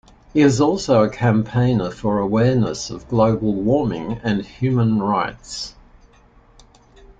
He is also a campaigner for awareness of global warming and human rights.